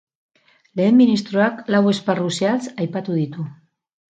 Lehen ministroak lau esparru zehatz aipatu ditu.